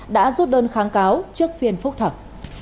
đã rút đơn kháng cáo trước phiên phúc thẩm